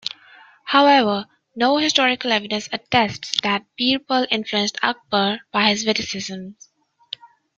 However, no historical evidence attests that Birbal influenced Akbar by his witticisms.